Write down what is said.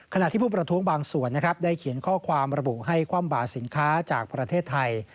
ที่ผู้ประท้วงบางส่วนนะครับได้เขียนข้อความระบุให้คว่ำบาสินค้าจากประเทศไทย